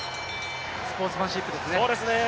スポーツマンシップですね。